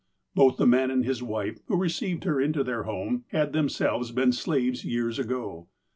Both the man and his wife, who received her into their home, had themselves been slaves years ago.